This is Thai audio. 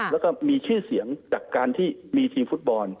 แล้วก็มีชื่อเสียงจากการที่มีทีมฟุตบอล